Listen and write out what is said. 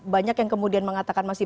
banyak yang kemudian mengatakan masih